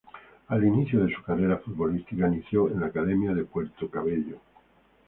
El inicio de su carrera futbolística inicio en la Academia de Puerto Cabello.